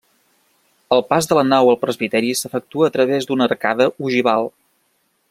El pas de la nau al presbiteri s'efectua a través d'una arcada ogival.